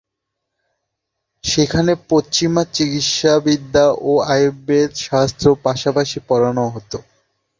সেখানে পশ্চিমা চিকিৎসাবিদ্যা ও আয়ুর্বেদশাস্ত্র পাশাপাশি পড়ানো হতো।